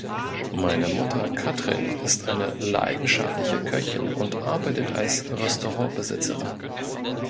Meine Mutter, Katrin, ist eine leidenschaftliche Köchin und arbeitet als Restaurantbesitzerin.